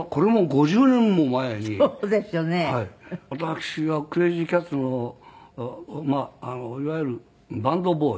私がクレイジーキャッツのいわゆるバンドボーイ。